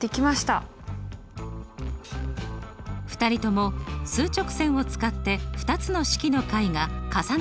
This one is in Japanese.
２人とも数直線を使って２つの式の解が重なる範囲を求めました。